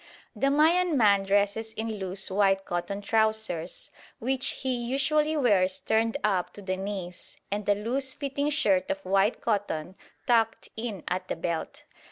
The Mayan man dresses in loose white cotton trousers, which he usually wears turned up to the knees, and a loose fitting shirt of white cotton tucked in at the belt.